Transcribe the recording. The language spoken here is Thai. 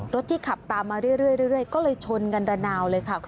รถที่ขับตามมาเรื่อยก็เลยชนกันระนาวเลยค่ะคุณผู้ชม